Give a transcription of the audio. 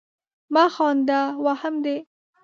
مه خانده ! وهم دي.